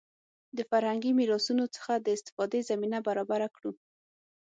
د فرهنګي میراثونو څخه د استفادې زمینه برابره کړو.